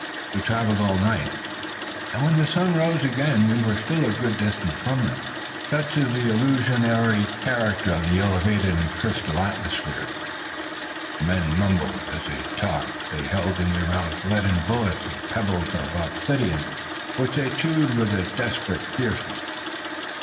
We travelled all night, and when the sun rose again we were still a good distance from them. Such is the illusory character of this elevated and crystal atmosphere. The men mumbled as they talked. They held in their mouths leaden bullets and pebbles of obsidian, which they chewed with a desperate fierceness.